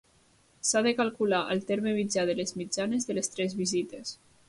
S'ha de calcular el terme mitjà de les mitjanes de les tres visites.